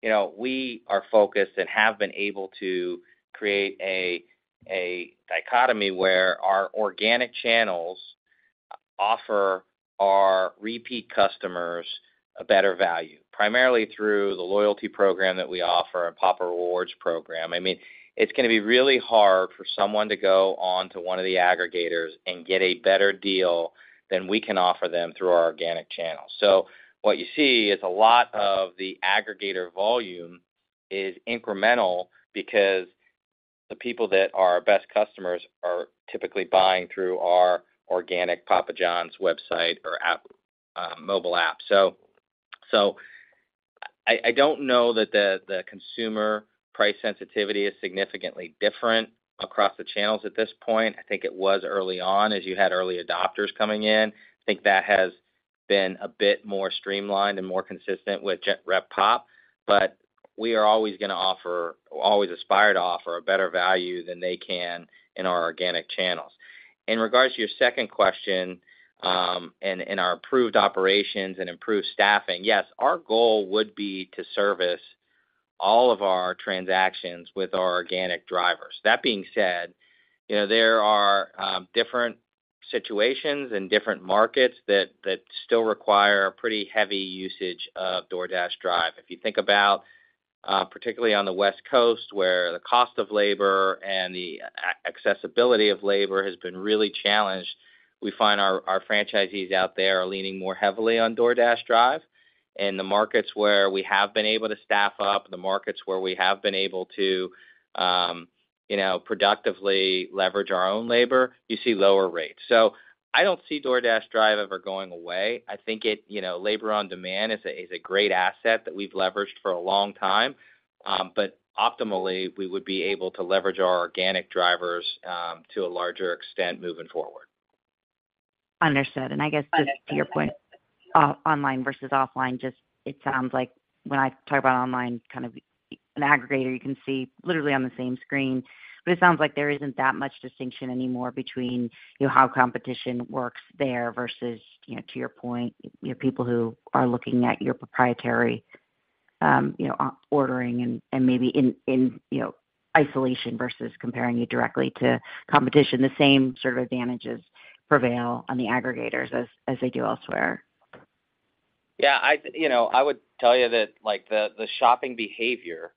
you know, we are focused and have been able to create a dichotomy where our organic channels offer our repeat customers a better value, primarily through the loyalty program that we offer, our Papa Rewards program. I mean, it's gonna be really hard for someone to go on to one of the aggregators and get a better deal than we can offer them through our organic channels. What you see is a lot of the aggregator volume is incremental because the people that are our best customers are typically buying through our organic Papa Johns website or app, mobile app. I don't know that the consumer price sensitivity is significantly different across the channels at this point. I think it was early on, as you had early adopters coming in. I think that has been a bit more streamlined and more consistent with gen pop, but we are always gonna offer, always aspire to offer a better value than they can in our organic channels. In regards to your second question, and our improved operations and improved staffing, yes, our goal would be to service all of our transactions with our organic drivers. That being said, you know, there are different situations and different markets that, that still require a pretty heavy usage of DoorDash Drive. If you think about, particularly on the West Coast, where the cost of labor and the accessibility of labor has been really challenged, we find our, our franchisees out there are leaning more heavily on DoorDash Drive. In the markets where we have been able to staff up, the markets where we have been able to, you know, productively leverage our own labor, you see lower rates. I don't see DoorDash Drive ever going away. I think it, you know, labor on demand is a, is a great asset that we've leveraged for a long time, but optimally, we would be able to leverage our organic drivers to a larger extent moving forward. Understood. I guess just to your point, online versus offline, just it sounds like when I talk about online, kind of an aggregator, you can see literally on the same screen, but it sounds like there isn't that much distinction anymore between, you know, how competition works there versus, you know, to your point, you know, people who are looking at your proprietary, you know, ordering and, and maybe in, in, you know, isolation versus comparing you directly to competition. The same sort of advantages prevail on the aggregators as, as they do elsewhere. Yeah, I, you know, I would tell you that, like, the, the shopping behavior is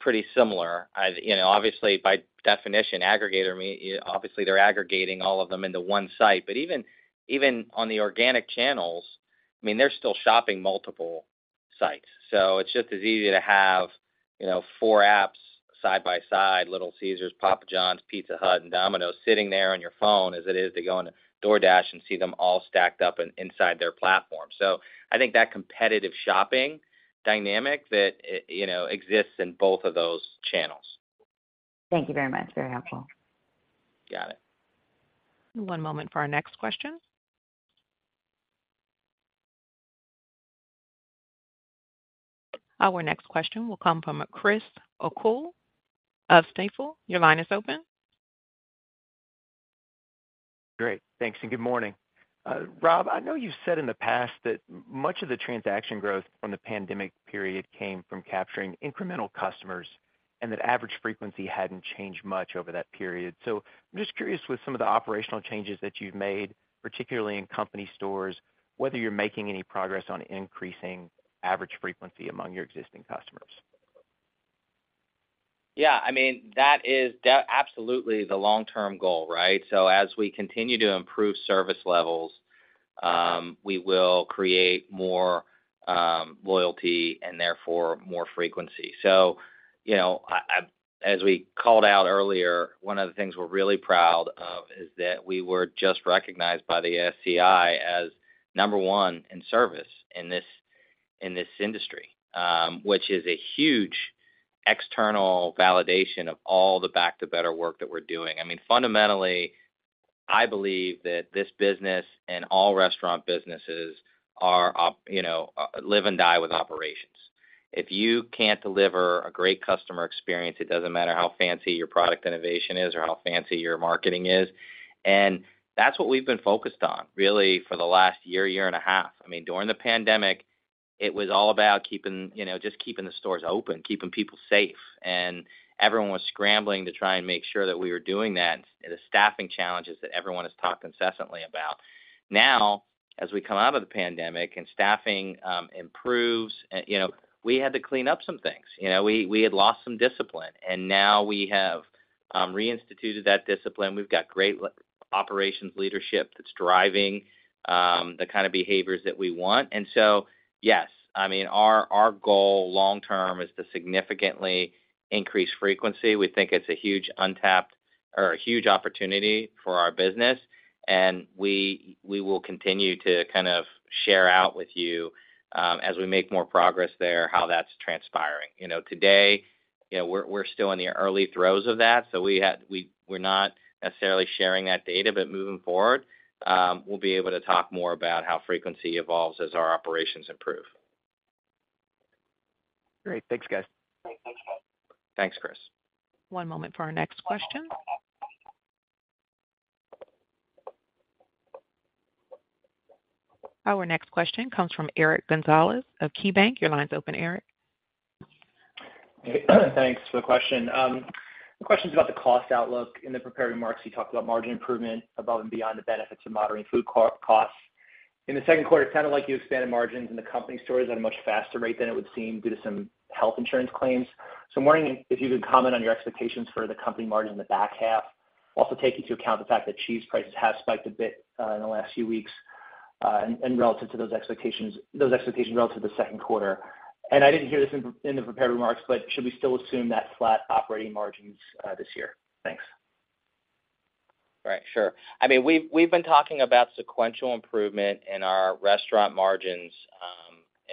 pretty similar. You know, obviously, by definition, aggregator, obviously, they're aggregating all of them into one site. But even, even on the organic channels, I mean, they're still shopping multiple sites. It's just as easy to have, you know, four apps side by side, Little Caesars, Papa Johns, Pizza Hut, and Domino's, sitting there on your phone, as it is to go into DoorDash and see them all stacked up inside their platform. I think that competitive shopping dynamic that, it, you know, exists in both of those channels. Thank you very much. Very helpful. Got it. One moment for our next question. Our next question will come from Chris O'Cull of Stifel. Your line is open. Great. Thanks, and good morning. Rob, I know you've said in the past that much of the transaction growth from the pandemic period came from capturing incremental customers, and that average frequency hadn't changed much over that period. I'm just curious, with some of the operational changes that you've made, particularly in company stores, whether you're making any progress on increasing average frequency among your existing customers? Yeah, I mean, that is absolutely the long-term goal, right? As we continue to improve service levels, we will create more loyalty and therefore, more frequency. You know, I, as we called out earlier, one of the things we're really proud of is that we were just recognized by the ACSI as number one in service in this industry, which is a huge external validation of all the Back to Better work that we're doing. I mean, fundamentally, I believe that this business and all restaurant businesses are you know, live and die with operations. If you can't deliver a great customer experience, it doesn't matter how fancy your product innovation is or how fancy your marketing is, and that's what we've been focused on, really, for the last year, year and a half. I mean, during the pandemic, it was all about keeping, you know, just keeping the stores open, keeping people safe, and everyone was scrambling to try and make sure that we were doing that, and the staffing challenges that everyone has talked incessantly about. Now, as we come out of the pandemic and staffing improves, you know, we had to clean up some things. You know, we, we had lost some discipline, and now we have reinstituted that discipline. We've got great operations leadership that's driving the kind of behaviors that we want. Yes, I mean, our, our goal long term is to significantly increase frequency. We think it's a huge untapped or a huge opportunity for our business, and we, we will continue to kind of share out with you as we make more progress there, how that's transpiring. You know, today, you know, we're still in the early throes of that, so we're not necessarily sharing that data, but moving forward, we'll be able to talk more about how frequency evolves as our operations improve. Great. Thanks, guys. Thanks, Chris. One moment for our next question. Our next question comes from Eric Gonzalez of KeyBanc. Your line is open, Eric. Thanks for the question. The question is about the cost outlook. In the prepared remarks, you talked about margin improvement above and beyond the benefits of moderating food co-costs. In the second quarter, it sounded like you expanded margins in the company stores at a much faster rate than it would seem due to some health insurance claims. I'm wondering if you could comment on your expectations for the company margin in the back half. Also, take into account the fact that cheese prices have spiked a bit in the last few weeks, and relative to those expectations, those expectations relative to the second quarter. I didn't hear this in the prepared remarks, but should we still assume that flat operating margins this year? Thanks. Right. Sure. I mean, we've, we've been talking about sequential improvement in our restaurant margins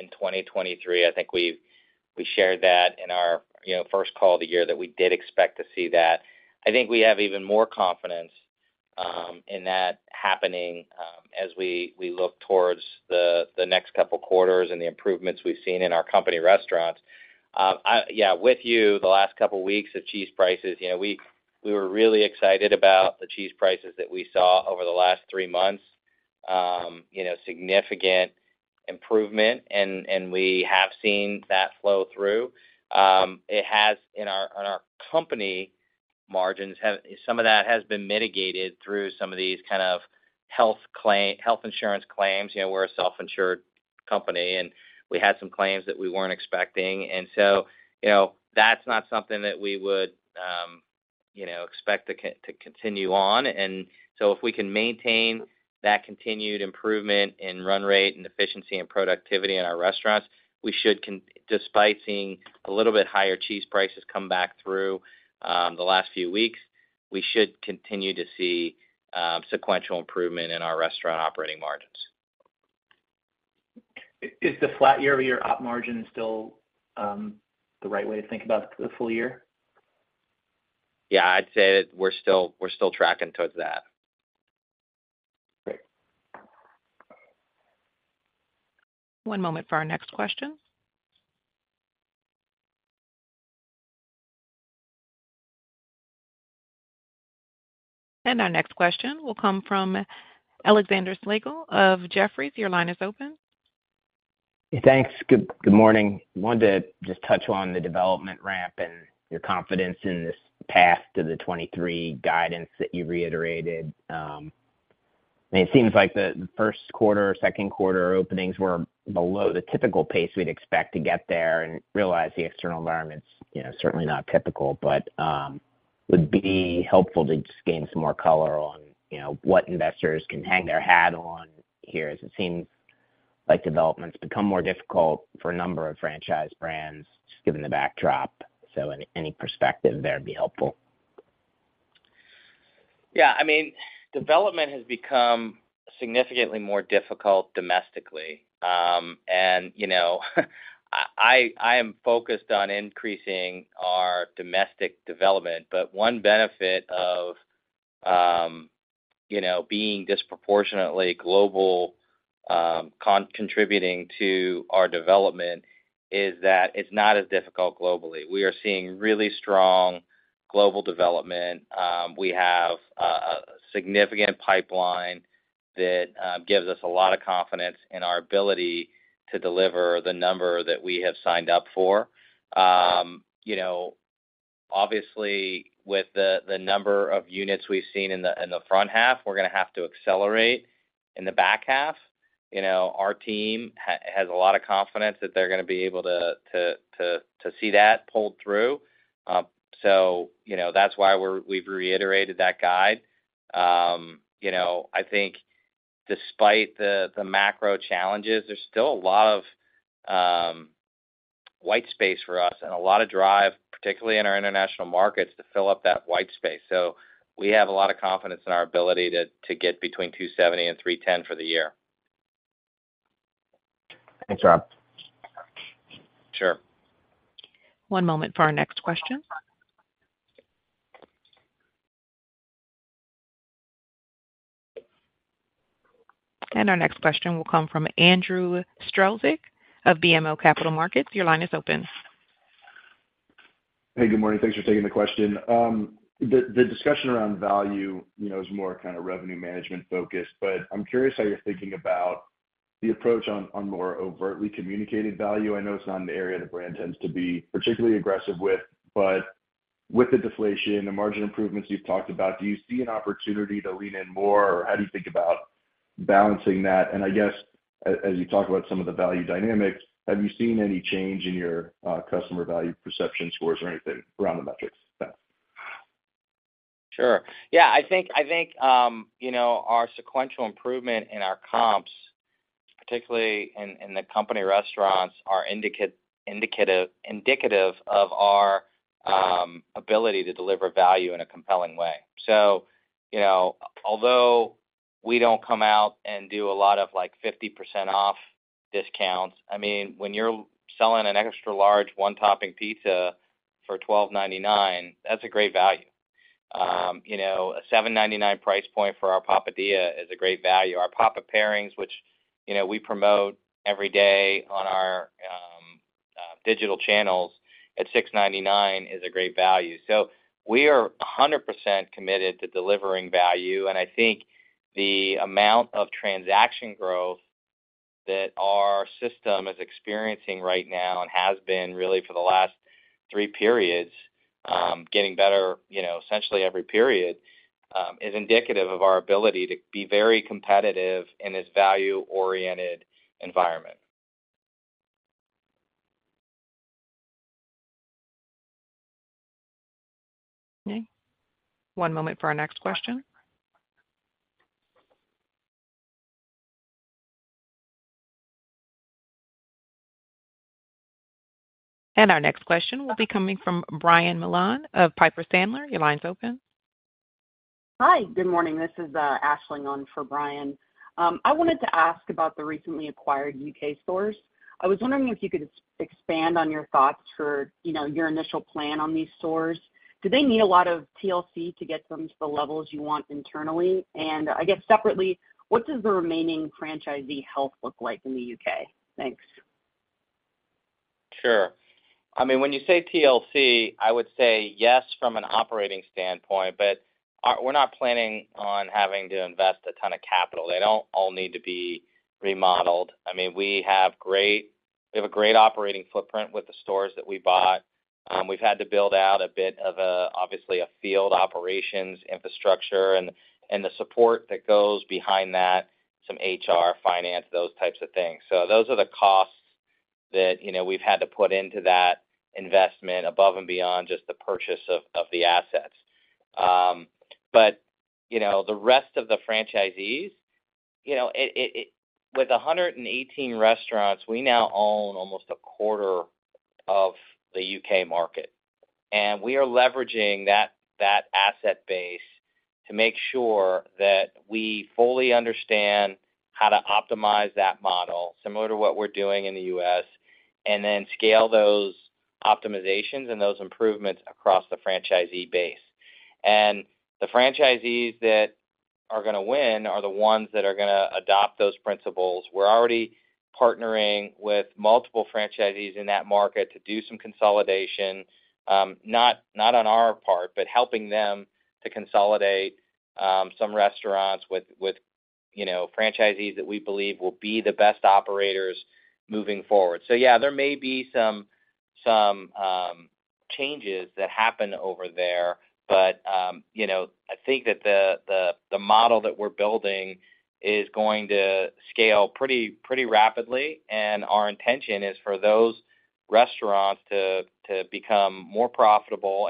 in 2023. I think we've we shared that in our, you know, first call of the year, that we did expect to see that. I think we have even more confidence in that happening as we, we look towards the next couple of quarters and the improvements we've seen in our company restaurants. Yeah, with you, the last couple of weeks of cheese prices, you know, we, we were really excited about the cheese prices that we saw over the last three months. You know, significant improvement, and, and we have seen that flow through. It has in our on our company margins, some of that has been mitigated through some of these kind of health claim, health insurance claims. You know, we're a self-insured company, and we had some claims that we weren't expecting. You know, that's not something that we would, you know, expect to continue on. If we can maintain that continued improvement in run rate and efficiency and productivity in our restaurants, we should despite seeing a little bit higher cheese prices come back through, the last few weeks, we should continue to see sequential improvement in our restaurant operating margins. Is the flat year-over-year op margin still, the right way to think about the full year? Yeah, I'd say that we're still, we're still tracking towards that. Great. One moment for our next question. Our next question will come from Alexander Slagle of Jefferies. Your line is open. Thanks. Good, good morning. Wanted to just touch on the development ramp and your confidence in this path to the 23 guidance that you reiterated. It seems like the first quarter or second quarter openings were below the typical pace we'd expect to get there and realize the external environment's, you know, certainly not typical, but would be helpful to just gain some more color on, you know, what investors can hang their hat on here, as it seems like development's become more difficult for a number of franchise brands, just given the backdrop. Any, any perspective there would be helpful. Yeah, I mean, development has become significantly more difficult domestically. You know, I, I, I am focused on increasing our domestic development, but one benefit of, you know, being disproportionately global, contributing to our development is that it's not as difficult globally. We are seeing really strong global development. We have a significant pipeline that gives us a lot of confidence in our ability to deliver the number that we have signed up for. You know, obviously, with the number of units we've seen in the front half, we're going to have to accelerate in the back half. You know, our team has a lot of confidence that they're going to be able to see that pull through. You know, that's why we've reiterated that guide. You know, I think despite the macro challenges, there's still a lot of white space for us and a lot of drive, particularly in our international markets, to fill up that white space. We have a lot of confidence in our ability to get between $270 and $310 for the year. Thanks, Rob. Sure. One moment for our next question. Our next question will come from Andrew Strelzik of BMO Capital Markets. Your line is open. Hey, good morning. Thanks for taking the question. The, the discussion around value, you know, is more kind of revenue management focused, but I'm curious how you're thinking about the approach on, on more overtly communicated value. I know it's not an area the brand tends to be particularly aggressive with, but with the deflation and the margin improvements you've talked about, do you see an opportunity to lean in more, or how do you think about balancing that? I guess, as you talk about some of the value dynamics, have you seen any change in your customer value perception scores or anything around the metrics? Sure. Yeah, I think, I think, you know, our sequential improvement in our comps, particularly in, in the company restaurants, are indicative of our ability to deliver value in a compelling way. You know, although we don't come out and do a lot of, like, 50% off discounts, I mean, when you're selling an extra large one-topping pizza for $12.99, that's a great value. You know, a $7.99 price point for our Papadia is a great value. Our Papa Pairings, which, you know, we promote every day on our digital channels at $6.99 is a great value. We are 100% committed to delivering value, and I think the amount of transaction growth that our system is experiencing right now, and has been really for the last three periods, getting better, you know, essentially every period, is indicative of our ability to be very competitive in this value-oriented environment. One moment for our next question. Our next question will be coming from Brian Mullan of Piper Sandler. Your line's open. Hi. Good morning. This is Aisling on for Brian. I wanted to ask about the recently acquired U.K. stores. I was wondering if you could expand on your thoughts for, you know, your initial plan on these stores. Do they need a lot of TLC to get them to the levels you want internally? I guess separately, what does the remaining franchisee health look like in the U.K.? Thanks. Sure. I mean, when you say TLC, I would say yes, from an operating standpoint, but our we're not planning on having to invest a ton of capital. They don't all need to be remodeled. I mean, we have a great operating footprint with the stores that we bought. We've had to build out a bit of a, obviously, a field operations infrastructure and, and the support that goes behind that, some HR, finance, those types of things. Those are the costs that, you know, we've had to put into that investment above and beyond just the purchase of, of the assets. You know, the rest of the franchisees, you know, it, it, with 118 restaurants, we now own almost a quarter of the U.K. market, and we are leveraging that, that asset base to make sure that we fully understand how to optimize that model, similar to what we're doing in the U.S., and then scale those optimizations and those improvements across the franchisee base. The franchisees that are gonna win are the ones that are gonna adopt those principles. We're already partnering with multiple franchisees in that market to do some consolidation, not, not on our part, but helping them to consolidate, some restaurants with, with, you know, franchisees that we believe will be the best operators moving forward. Yeah, there may be some, some changes that happen over there, but, you know, I think that the, the, the model that we're building is going to scale pretty, pretty rapidly, and our intention is for those restaurants to, to become more profitable.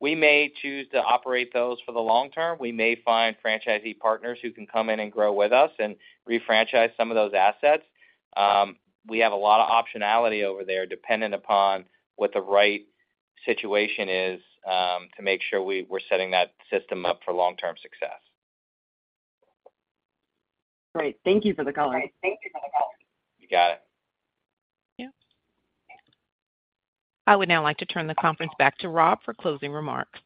We may choose to operate those for the long term. We may find franchisee partners who can come in and grow with us and refranchise some of those assets. We have a lot of optionality over there, dependent upon what the right situation is, to make sure we-we're setting that system up for long-term success. Great. Thank you for the color. You got it. Yeah. I would now like to turn the conference back to Rob for closing remarks.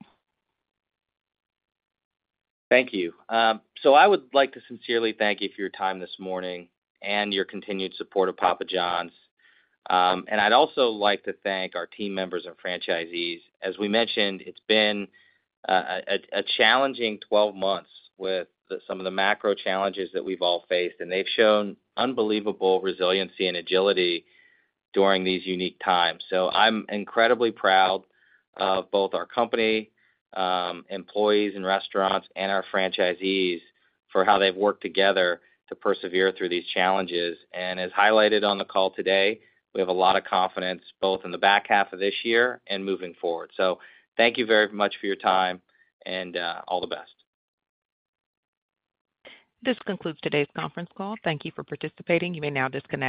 Thank you. I would like to sincerely thank you for your time this morning and your continued support of Papa Johns. I'd also like to thank our team members and franchisees. As we mentioned, it's been a challenging 12 months with some of the macro challenges that we've all faced, and they've shown unbelievable resiliency and agility during these unique times. I'm incredibly proud of both our company, employees and restaurants, and our franchisees for how they've worked together to persevere through these challenges. As highlighted on the call today, we have a lot of confidence both in the back half of this year and moving forward. Thank you very much for your time, and all the best. This concludes today's conference call. Thank you for participating. You may now disconnect.